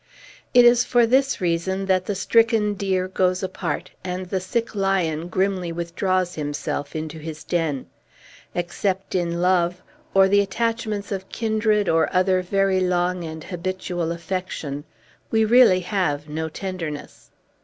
It is for this reason that the stricken deer goes apart, and the sick lion grimly withdraws himself into his den. Except in love, or the attachments of kindred, or other very long and habitual affection, we really have no tenderness.